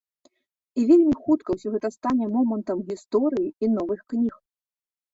І вельмі хутка ўсё гэта стане момантам гісторыі і новых кніг.